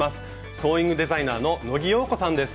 ソーイングデザイナーの野木陽子さんです。